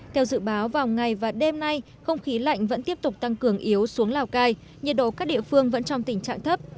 theo dự báo vào ngày và đêm nay không khí lạnh vẫn tiếp tục tăng cường yếu xuống lào cai nhiệt độ các địa phương vẫn trong tình trạng thấp